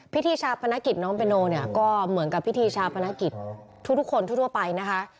พิธีชาปนกิจน้องเบโนเนี่ยก็เหมือนกับพิธีชาปนกิจทุกคนทั่วไปนะคะ